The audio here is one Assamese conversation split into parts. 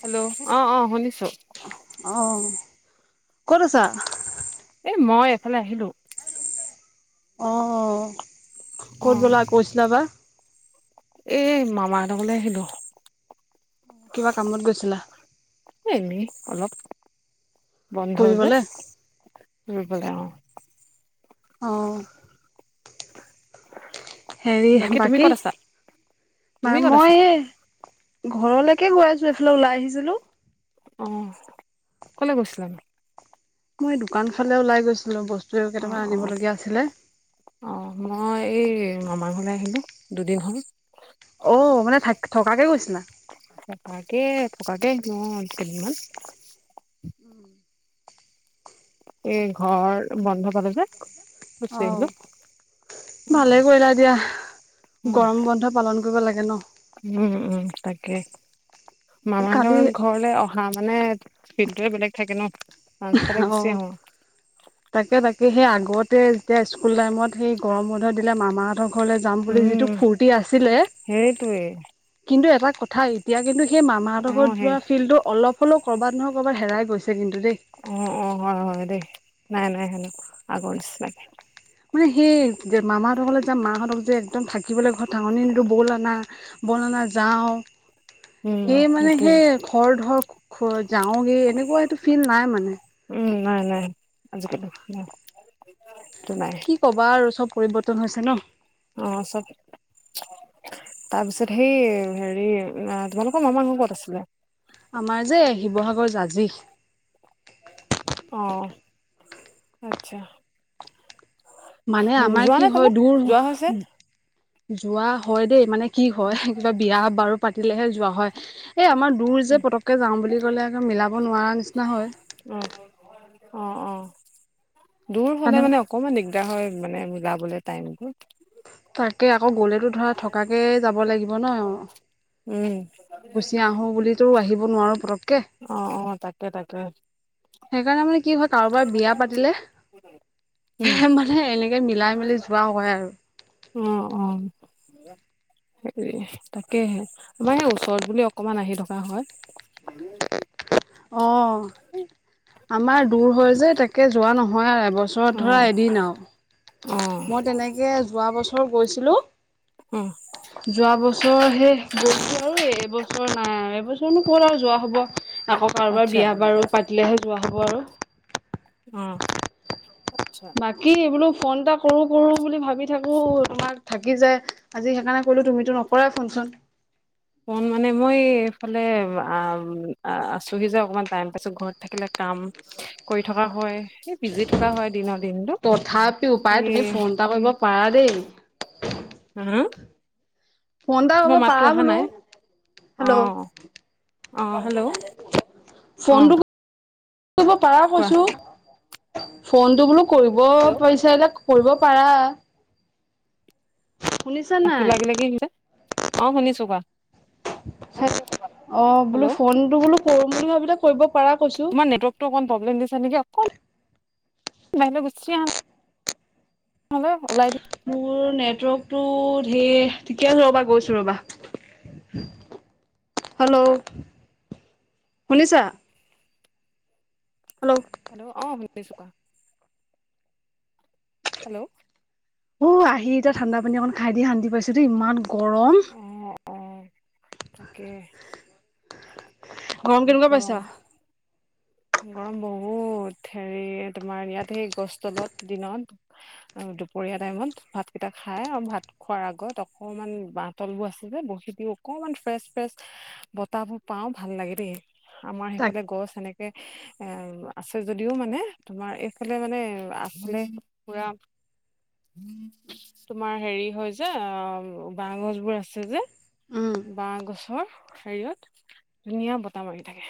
হেল্ল' অ অ শুনিছো। অঁ ক'ত আছা এ মই এফালে আহিলো। অ অ ক'ত গলা কৈছিলা বা। এই মামাহঁতৰ ঘৰলৈ আহিলো। কিবা কামত গৈছিলা এ এনেই অলপ বন্ধ যে ফুৰিবলে বাই অ উম অঁ হেৰি তুমি বাকী ক'ত আছা ম তুমি ক'ত আছা মই এই ঘৰলৈকে গৈ আছো এইফালে ওলাই আহিছিলো আহ কলৈ গৈছিলা নো মই দোকান ফালে ওলাই গৈছিলো বস্তু অ কেইটামান অ আনিবলগীয়া আছিলে অ মই এই মামা ঘলে আহিলো দুদিন হ'ল অ' মানে থাক থকাকে গৈছিলা থকাকে থকাকে অ কেইদিনমান এই ঘৰ বন্ধ পালে যে গুচি অঁ আহিলো অ ভালে কৰিলা দিয়া গৰম বন্ধই পালন কৰিব লাগে ন। কালি মামাহতৰ ঘৰলে অহা মানে ফলটোৱে বেলেগ থাকে ন। চাঞ্চ পালে গুচি অঁ আহো তাকে তাকে সেই আগতে যেতিয়া স্কুল টাইমত সেই গৰম বন্ধ দিলে মামাহঁতৰ ঘৰলৈ যাম বুলি যিটো উম ফুৰ্তি আছিলে সেইটোৱে কিন্তু এটা কথা এতিয়া কিন্তু সেই ম অ মামাহতৰ ঘত সেই যোৱা ফিল্ডতো অলপ হলেও কৰ'বাত নহয় কৰ'বাত হেৰাই গৈছে কিন্তু দেই অ অ হয় হয় দেই নাই নাই হ ন আগ নিছিনাকে মানে সেই যে মামাহঁত হলে যে মাহঁতক যে একদম থাকিবলৈ ঘৰত ঠাহনি নিদো বৌলা না বলানা যাওঁ সেই উম মানে সেইটোৱে সেই ঘৰ ধৰ যাওগে এনেকুৱা এইটো ফিল নাই মানে উম নাই নাই আজিকালি নাই সেইটো কি কবা আৰু চব পৰিৱৰ্তন হৈছে ন তাৰ পিছত সেই হেৰি তোমালোকৰ মামা ঘৰ ক'ত আছিলে আমাৰ যে শিৱসাগৰ জাজি অ আচ্ছা মানে আমাৰ যোৱা কি নে তালে হয় যোৱা হৈছে দূৰ যোৱা হয় দেই মানে কি উম হয় কিবা বিয়া বাৰু পাতিলেহে যোৱা হয় এই আমাৰ দূৰ উম যে পতককে যাওঁ বুলি কলে আকৌ মিলাব নোৱাৰা নিচিনা হয় অ অ অ দূৰ হলে মানে অকমান দিগদাৰ হয় মানে মিলাব বলে টাইমটো তাকে আকৌ গ'লেতো ধৰা থকাকে যাব লাগিব ন উম গুচি আহো বুলিতো আহিব নোৱাৰো পতককে অ অ তাকে তাকে সেইকাৰণে মানে কি হয় কাৰোবাৰ বিয়া উম পাতিলে মানে এনেকে মিলাই মেলি যোৱা হয় আৰু উম অ হেৰি তাকেহে আমাৰ সেই ওচৰত বুলি অকমান আহি থকা হয় অ আমাৰ দূৰ হয় যে তাকে যোৱা নহয় আৰু বছৰত অ ধৰা এদিন অ আৰু মই তেনেকে যোৱা বছৰ গৈছিলো। উম, যোৱা বছৰ সে গৈছো আৰু এইবছৰ নাই আৰু। বছৰ ক'ৰ আৰু যোৱা হ'ব আকৌ কাৰোবাৰ আচ্ছা বিয়া বাৰু পাতিলেহে যোৱা হ'ব আৰু। উম। আচ্ছা। বাকী। এই বোলো ফোন এটা কৰো কৰো বুলি ভাবি থাকো তোমাক থাকি যায় আজি সেইকাৰণে কলো তুমিতটো নকৰা। ৰা চোনচোন। ফোন মানে মই এইফালে আছোহি যে, অকমান টাইম পাইছো, ঘৰত থাকিলে। কাম কৰি থকা হয়। সেই বিজি থকা হয়, দিনৰ দিনতো, তথাপিও পাই এই। তুমি ফোন এটা কৰিব পাৰা দেই হো-হো ফোনটা কৰিব পাৰা বোলো? নাই হেল্ল' অ', অ', হেল্ল' অ', ফোনটো। কৰিব পাৰা কোৱা। কৈছো, ফোনটো বোলো কৰিব হেল্ল' পাৰিছা এ। কৰিব পাৰা শুনিছা ভাতটো নাই লাগিলে কিছে অ, শুনিছো কোৱা? অ, বোলো হেল্ল' ফোনটো বোলো কৰো বুলি ভাবিলে কৰিব পাৰা কৈছো তোমাৰ নেটৱৰ্কটো, অকন প্ৰব্লেম দিছে নেকি? বাই গুচি আহা ওলাই দি। মোৰ নেটৱৰ্কটো ঢেৰ, ঠিকে আছে ৰ'বা, গৈছো ৰ'বা। হেল্ল' শুনিছা? হেল্ল'-। হেল্ল' অ, শুনিছোঁ। হেল্ল'। অ, আহি এতিয়া ঠাণ্ডা পানী অকণ খাই দি শান্তি পাইছো দেই, ইমান গৰম। অ', অ', তাকে। গৰম কেনেকুৱা পাইছা? গৰম বহুত, হেৰি তোমাৰ ইয়াত সেই গছ তলত দিনত। দুপৰীয়া টাইমত ভাতকেইটা খাই আৰু ভাত খোৱাৰ আগত, অকণমান বাহ তলবোৰ আছে যে বৰশী দিওঁ। অকমান ফ্ৰেচ-ফ্ৰেচ বতাহবোৰ পাওঁ, ভাল লাগে দেই, আমাৰ তাক সেইফালে গছ এনেকে। আছে যদিও মানে, তোমাৰ এইফালে মানে আগফালে পুৰা। তোমাৰ হেৰি হয় যে, আহ, বাহ গছবোৰ আছে যে। উম বাহ গছৰ হেৰিয়ত, ধুনীয়া বতাহ মাৰি থাকে।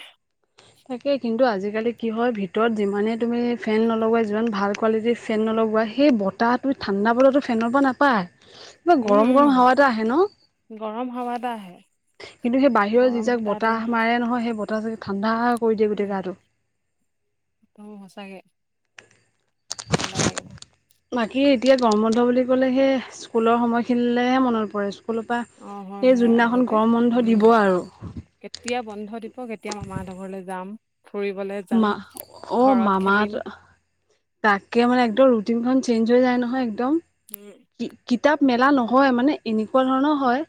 তাকে কিন্তু আজিকালি কি হয় ভিতৰত যিমানে তুমি ফেন নলগোৱা, যিমান ভাল কোৱালিটিৰ ফেন নলব। সেই বতাহটো, ঠাণ্ডা বতাহটো ফেনৰ পৰা নাপায়। কিবা উম উম গৰম-গৰম হাৱাটো আহে ন? গৰম হাৱা এটা আহে কিন্তু সেই বাহিৰৰ যি জাক বতাহ মাৰে নহয়, সেই বতাহজাকে ঠাণ্ডা কৰি দিয়ে গোটেই গাটো। অ সঁচাকে, ঠাণ্ডা লাগিব। বাকী এতিয়া গৰম বন্ধ বুলি ক'লে, সেই স্কুলৰ সময়খিনিলেহে মনত পৰে। কোনোবা, অ হয় সেই হয় যোনদিনাখন আগতে গৰম বন্ধ দিব আৰু। হয় দিপক, এতিয়া মামাহঁতৰ ঘৰলৈ যাম। ফুৰিবলৈ যাম মা অ, ঘৰত খেলিম মামাহঁতৰ। তাকে মানে, একদম ৰুটিনখন চেঞ্জ হৈ যায় নহয় একদম। উম কিতাপ মেলা নহয়, মানে এনেকুৱা ধৰণৰ হয়,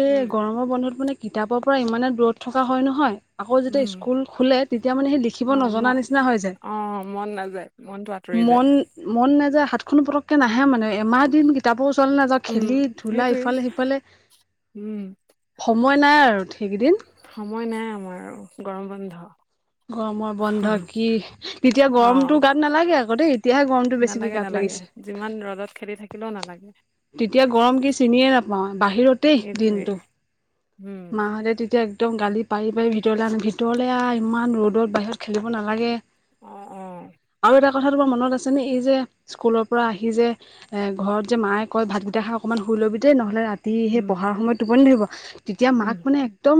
এই উম গৰমৰ বন্ধত মানে। কিতাপৰ পৰা ইমানে দূৰত থকা হয়-নহয়, আকৌ যেতিয়া উম স্কুল খোলে, তেতিয়া মানে সেই। লিখিব অ, নজনা মন, নিচিনা হৈ যায় অ, মন নাযায়, মনটো আঁতৰি মন যায়। মন নাযায়, হাতখনো পতক। তাকে নাহে মানে, এমাহ দিন কিতাপৰ ওচৰলৈ নাযাওঁ উম খেলি-ধূলা, সেইটোৱে ইফালে-সিফালে। উম। সেইকেইদিন সময় নাই আমাৰ আৰু, গৰম বন্ধ। গৰমৰ বন্ধ কি? তেতিয়া গৰমতো গাত নালাগে আকৌ দেই। এতিয়াহে গৰমটো বেছিকে গাত নালাগে-নালাগে, লাগিছে যিমান ৰ'দত খেলি থাকিলেও নালাগে। তেতিয়া গৰম কি চিনিয়ে নাপাওঁ, বাহিৰতেই সেইটোৱে দিনতো উম মা হঁতে তেতিয়া একদম গালি পাৰি-পাৰি, ভিতৰলৈ আনে, ভিতৰলৈ আৰু ইমান ৰ'দত বাহিৰত খেলিব নালাগে। অহ-অহ কথাটো বৰ মনত আছেনে? এই যে স্কুলৰ পৰা আহি যে, এ ঘৰত যে মায়ে কয় ভাতকেইটা খাই অকণমান সু তুলবিতে নহলে ৰাতি সেই উম পঢ়া সময় টোপনি ধৰিব। তেতিয়া মাক উম মানে একদম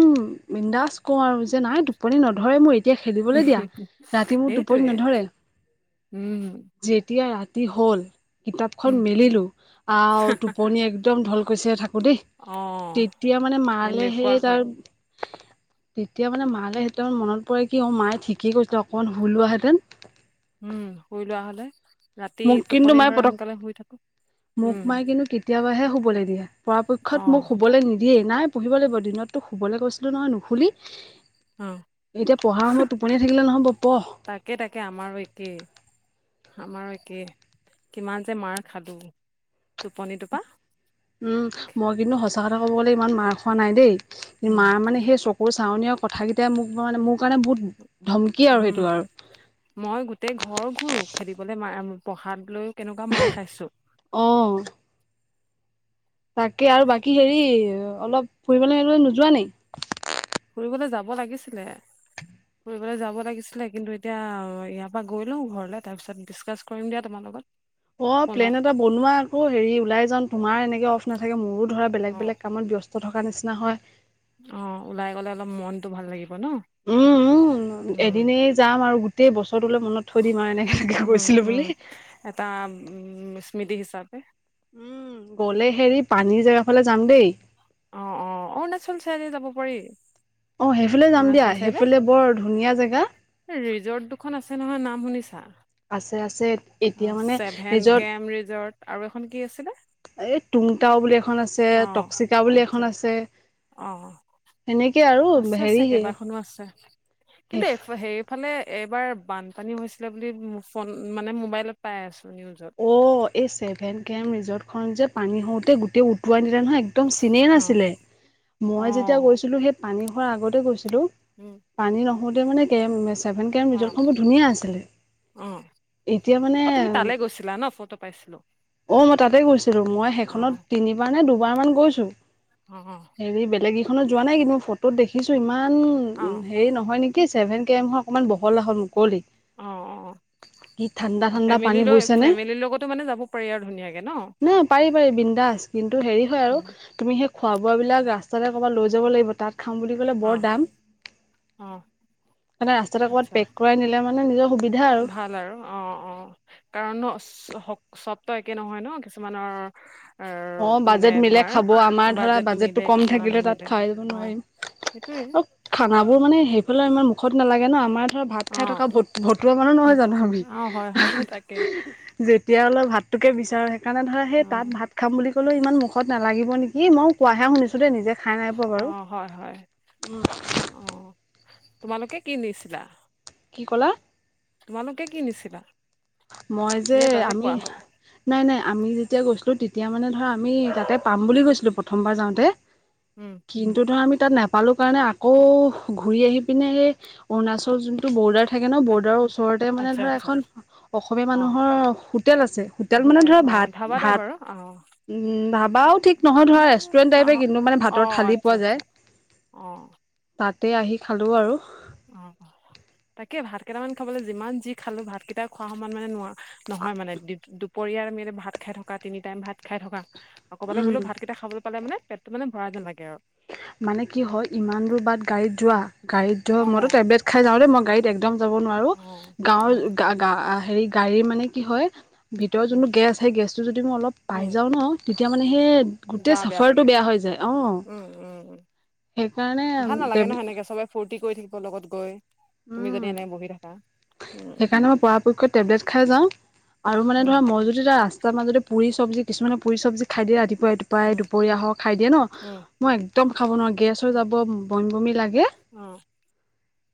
বিন্দাজ কওঁ আৰু যে নাই টোপনি নধৰে মোৰ। তেতিয়া খেলিবলৈ দিয়া ৰাতি মোৰ টোপনি সেইটোৱে নধৰে উম যেতিয়া ৰা হ'ল কিতাপখন উম মেলিলো টোপনি একদম ঢলকৈছে থাক হ দেই অ তেতিয়া মানে এনেকুৱা সেই হয় তাৰ। তেতিয়া মানে ‍মা লৈ মনত প কি অ মায়ে ঠিকেই কৰিছে অকণমান শুলো হেঁতেন উম শুই লোৱা হলে ৰাতি মোক কিন্তু টোপনি মায়ে ধৰে পতক সোনকালে শুই থাকো মোক উম, মাইে কিন্তু কেতিয়াবাহে শুবলৈ দিয়ে পৰাপক্ষত মোক অ', শুবলৈ নিদিয়ে। দিয়ে নাই পঢ়িব লাগিব দিনতো শুবলৈ গৈছিলো নহয় নুশুলি। উম। এতিয়া পঢ়াৰ সময়ত টোপনিয়াই থাকিলে নহব পঢ়। তাকে আমাৰ একে কিমান যে মাৰ খালো টোপনি টোপানিটো পৰা। উম মই কিন্তু সঁচা কথা ক'ব গ'লে ইমান মাৰ খোৱা নাই দেই। কি উম, মাৰ মানে সেই চকুৰ চাৱনি কথাকেইটাই মোক মানে মোৰ কাৰণে বহুত ধমকি আৰু উম সেইটো আৰু মই গোটেই ঘৰ ঘূৰো খেদিবলৈ ম পঢ়াত লৈ কেনেকুৱা মাৰ খাইছো। অ তাকে আৰু বাকী হেৰি অলপ ফুৰিবলৈ আহিবলৈ নোযোৱা নাই। ফুৰিবলৈ যাব লাগিছিলে। ফুৰিবলৈ যাব লাগিছিলে কিন্তু এতিয়া ইয়াৰ পৰা গৈ লওঁ ঘৰলৈ তাৰপিছত ডিচকাছ কৰিম দিয়া তোমাৰ লগত অ ফোনত প্লেন এটা বনোৱা আকৌ হেৰি ওলাই যাম তোমাৰ এনেকে অফ নাথাকে মোৰো। ধৰা বেলেগ অ', বেলেগ কামত ব্যস্ত থকাৰ নিচিনা হয়। অ ওলাই গ'লে অলপ মনতটো ভাল লাগিব। ন উম উম উম, এদিনে যাম আৰু গোটেই বছৰ। উম উম বুলি এটা উ স্মৃতি হিচাপে। উম গ'লে হেৰি পানীৰ জেগা ফালে যাম দেই। অ অ অৰুণাচল চাইডে যাব পাৰি। অ সেইফালে যাম দিয়া অৰুণাচল চাইডে সেইফালে বৰ ধুনীয়া জেগা। ৰিজৰ্ট দুখন আছে নহয় নাম শুনিছা। আছে আছে এতিয়া অ মানে ছেভেন ৰিজৰ্ট কেম ৰিজৰ্ট আৰু এখন কি আছিলে? এই তুংতাও বুলি এখন আছে অ টক্সিকা বুলি এখন আচ্ছা আছে। অ সেনেকে আৰু হেৰি সেই কিন্তুফ সেইফালে এইবাৰ বানপানী হৈছিলে বুলি ফোন মানে মোবাইলত পাই আছো। নিউজত অ এই ছেভেন কেম ৰিজৰ্ট খন যে পানী হওঁতে গোটেই উটোৱা নি নহয় একদম চিনে অ নাছিলে অ মই যেতিয়া গৈছিলো সেই পানী হোৱাৰ আগতে গৈছিলো। উম পানী নহোতে মানে চেভেন কেম অ ধুনিয়া আছিলে অ এতিয়া অ মানে। তুমি তালে গৈছিলা ন ফটো পাইছিলো অ মই তাতে গৈছিলো মই অ সেইখনত তিনিবাৰ নে দুবাৰ মান গৈছো। অ হেৰি বেলেগ কেইখনত যোৱা নাই কিন্তু মই ফটোত দেখিছো ইমান অ হেৰি নহয় নেকি ছেভেন কে এমহৰ অকণমান বহল আহল মুকলি। অ কি ঠাণ্ডা অ ঠাণ্ডা ফেমিলি পানী লৈ বৈছে নে। ফেমিলিৰ লগতো মানে যাব পাৰি আৰু ধুনীয়াকে ন না পাৰি পাৰি বিন্দাছ কিন্তু হেৰি হয় আৰু উম তুমি সেই খোৱা বোৱাবিলাক ৰাস্তাৰে ক'ৰবাত লৈ যাব লাগিব তাত খাম বুলি ক'লে অ বৰ দাম অ মানে ৰাস্তাতে ক'ৰবাত আচ্ছা পেক কৰাই নিলে মানে নিজৰ সুবিধ- ভাল আৰু অ অ কাৰণ ন শ হক চব ত একে নহয় ন কিছুমানৰ অ আৰ, মানে বাজেট মিলে তোমাৰ খাব আমাৰ ধৰা বাজেটটো মিলে কম কিছুমানৰ থাকিলে তাত নিমিলে খাই দিব অ নোৱাৰিম। সেইটোৱে অ খানাবোৰ মানে সেইফালে আমাৰ মুখত নালাগে ন আমাৰ ভাত অ খাই থকা ভ ভতুৱা মানুহ নহয় সেই- জানো আমি। অ হয় হয় তাকে যেতিয়া হলো ভাত টোকে বিচাৰো সেইকাৰণে ধৰা অ সেই তাত ভাত। কাম বুলি কলেও ইমান মুখত নালাগিব নেকি ময়ো কোৱাহে শুনিছোঁ দেই নিজে খাই নাই পোৱা অ বাৰু হয় হয় অ। তোমালোকে কি নিছিলা? কি কলা? তোমালোকে কি নিছিলা? মই যে নে তাতে আমি খোৱা হ'ল নাই নাই আমি যেতিয়া গৈছিলোঁ তিত- তেতিয়া মানে ধৰা আমি তাতে পাম বুলি গৈছিলোঁ প্ৰথমবাৰ যাওঁতে উম কিন্তু ধৰা আমি তাত নাপালোঁ কাৰণে আকৌ ঘূৰি আহি পিনে সেই অৰুণাচল যোনটো বৰ্ডাৰ। থাকে ন আ- বৰ্ডাৰৰ ওচৰতে মানে আচ্ছা ধৰা আচ্ছা এখন। অসমীয়া অ মানুহৰ হোটেল আছে হোটেল মানে ধৰা অ ভাত ধাবা টাইপ ভাত। আৰু অ উম ভাবাও ঠিক নহয় ধৰা ৰেষ্টুৰেণ্ট টাইপে কিন্তু মানে ভাতৰ ঠালি পোৱা যায়। অহ। তাতে আহি খালোঁ আৰু। অ অ তাকে ভাত কেইটামান খাবলৈ যিমান যি খালো ভাত কেইটা খোৱা সমান মানে নোৱাৰোঁ নহয় মানে দুপৰীয়াৰ আমি ভাত খাই থকা তিনি টাইম ভাত খাই থকা। আৰু ক'বালৈ উম গ'লেও ভাত কেইটা খাবলৈ পালে মানে পেটটো মানে ভৰা যেন লাগে আৰু। মানে কি হয় ইমান দূৰ বাট গাড়ীত যোৱা। গাড়ীত অ ধৰক মইতো টেবলেট খাই যাওঁ‌ দে, মই গাড়ীত একদম যাব নোৱাৰোঁ অ অ গাঁৱৰ গা গা - হেৰি গাড়ীৰ মানে কি হয়? ভিতৰৰ উম যোনটো গেছ সেই গেছটো যদি মই অলপ পাই উম যাওঁ ন, তেতিয়া মানে সেই উম গা গোটেই লাগে চাফাৰটো বেয়া হৈ যায়। অ। উম উম ভাল নালাগে ন টেবলে সেনেকে চবে ফুৰ্ত- ফুৰ্তি কৰি থাকিব লগত গৈ তুমি যদি এনেকে বহি থাকা। উম সেইকাৰণে মই পৰাপক্ষত টেবলেট খাই যাওঁ। আৰু মানে উম ধৰা মই‌ যদি যাওঁ ৰাস্ত- ৰাস্তাৰ মাজতে পুৰি চব্জি কিছুমান পুৰি চব্জি খাই দিয়ে ৰাতিপু- টোপাই টোপাই উম দুপৰীয়া হওঁক খাই দিয়ে ন, উম মই একদম খাব নোৱাৰো গেছ হ'য় উম যাব বমি বমি লাগে। [inaudible]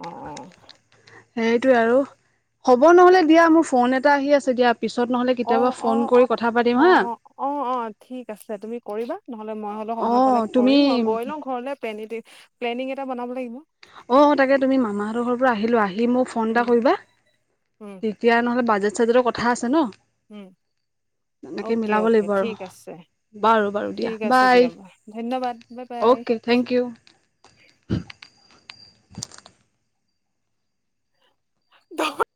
অ অ। সেইটোৱে আৰু। হ'ব নহলে দিয়া মোৰ ফোন এটা আহি আছে, দিয়া পিছত নহলে অ কেতিয়াবা ফোন কৰি কথা পাতিম হা। অঁ অ অ ঠিক আছে তুমি কৰিবা নহলে মই হ'লেও সময় পালে অ' তুমি কৰিম গৈ লওঁ ঘৰলে পেনীটী। প্লেনিং এটা বনাব লাগিব। অ তাকে তুমি মামাহঁতৰ ঘৰ পৰা আহি লোৱা আহি- আহি মোক ফোন এটা উম কৰিবা, উম তেতিয়া নহ'লে বাজেট চাজেটৰ কথা আছে ন। উম এনেকৈ অকে মিলাব অকে লাগিব আৰু ঠিক আছে। বাৰু বাৰু দিয়া ঠিক আছে বাই দিয়া ধন্যবাদ bye bye okay thank you. হু। দহৰ।